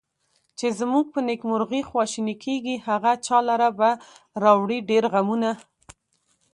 چې زمونږ په نیکمرغي خواشیني کیږي، هغه چا لره به راوړي ډېر غمونه